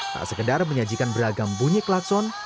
tak sekedar menyajikan beragam bunyi klakson